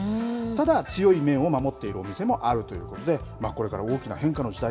ただ強い麺を守っている店もあるということでこれから大きな変化の時代